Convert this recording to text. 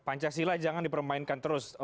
pancasila jangan dipermainkan terus